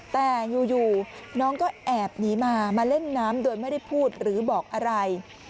แต่อยู่น้องก็แอบหนีมามาเล่นน้ำโดยไม่ได้พูดหรือบอกอะไร